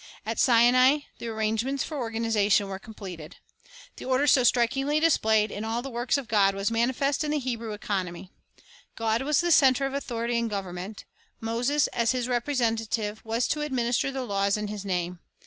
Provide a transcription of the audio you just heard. At Sinai the arrangements for organization were completed. The order so strikingly displayed in all the works of God was manifest in the Hebrew economy. God was the center of authority and government. Moses, as His representative, was to administer the laws in His name.